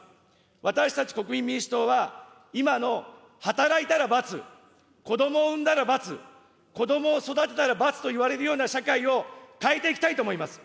私たち国民民主党は、今の働いたら罰、子どもを産んだら罰、子どもを育てたら罰と言われるような社会を変えていきたいと思います。